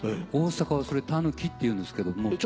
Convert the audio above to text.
大阪はそれたぬきっていうんですけども。